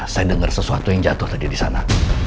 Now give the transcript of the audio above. saya denger sesuatu yang jatuh tadi disana